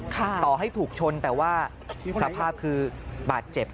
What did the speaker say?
ต่อให้ถูกชนแต่ว่าสภาพคือบาดเจ็บ